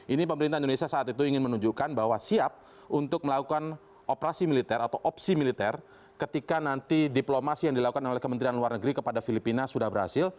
ini pemerintah indonesia saat itu ingin menunjukkan bahwa siap untuk melakukan operasi militer atau opsi militer ketika nanti diplomasi yang dilakukan oleh kementerian luar negeri kepada filipina sudah berhasil